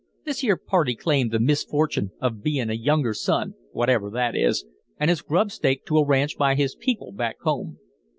This here party claimed the misfortune of bein' a younger son, whatever that is, and is grubstaked to a ranch by his people back home.